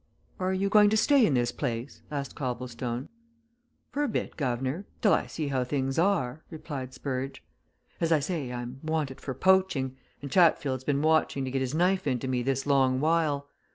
"Are you going to stay in this place?" asked Copplestone. "For a bit, guv'nor till I see how things are," replied Spurge. "As I say, I'm wanted for poaching, and Chatfield's been watching to get his knife into me this long while.